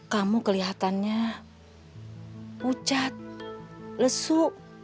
kamu kelihatannya pucat lesu